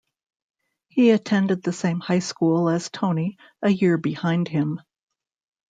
He attended the same high school as Tony, a year behind him.